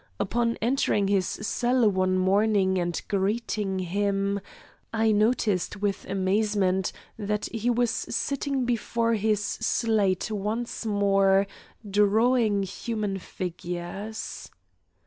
Upon entering his cell one morning, and greeting him, I noticed with amazement that he was sitting before his slate once more drawing human figures.